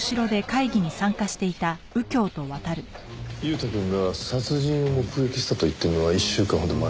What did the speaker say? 裕太くんが殺人を目撃したと言ってるのは１週間ほど前。